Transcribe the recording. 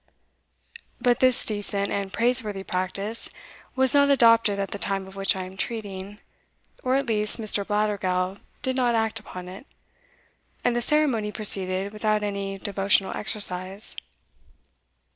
But this decent and praiseworthy practice was not adopted at the time of which I am treating, or at least, Mr. Blattergowl did not act upon it, and the ceremony proceeded without any devotional exercise.